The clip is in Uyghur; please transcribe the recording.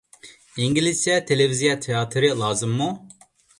ئىنگلىزچە تېلېۋىزىيە تىياتىرى لازىممۇ؟